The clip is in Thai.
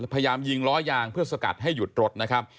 พยายามยิงล้อยางเพื่อสกัดให้หยุดรถนะครับ